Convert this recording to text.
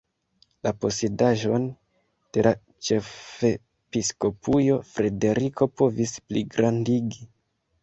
La posedaĵon de la ĉefepiskopujo Frederiko povis pligrandigi.